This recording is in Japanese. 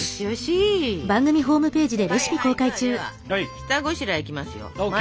下ごしらえいきますよ。ＯＫ！